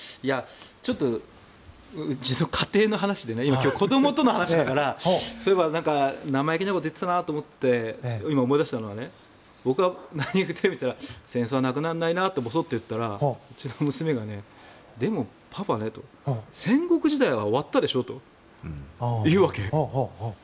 ちょっと家庭の話で子どもとの話だからそういえば、生意気なことを言っていたなと思って今、思い出したのは僕が何げなく戦争ってなくならないなと言ったらうちの娘がでも、パパね戦国時代は終わったでしょと言うわけ。